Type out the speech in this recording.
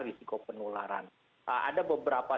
risiko penularan ada beberapa